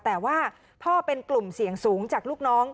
แต่ว่าพ่อเป็นกลุ่มเสี่ยงสูงจากลูกน้อง